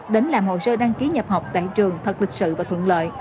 một hồ sơ đăng ký nhập học tại trường thật lịch sự và thuận lợi